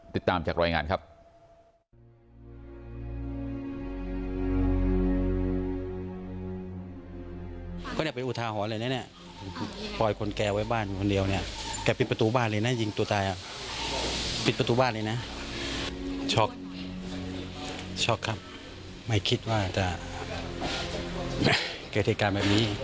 ติดตามจากรายงานครับ